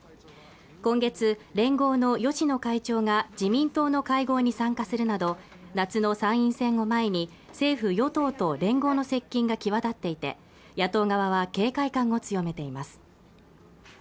今月連合の芳野会長が自民党の会合に参加するなど夏の参院選を前に政府与党連合の接近が際立っていて野党側は警戒感を強めています